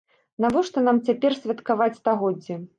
Навошта нам цяпер святкаваць стагоддзе?